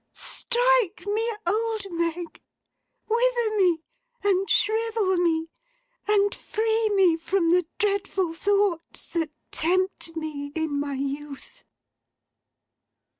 Strike me old, Meg! Wither me, and shrivel me, and free me from the dreadful thoughts that tempt me in my youth!